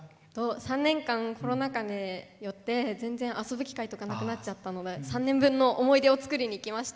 ３年間、コロナ禍で全然遊ぶ機会とかなくなっちゃったので３年分の思い出を作りにきました。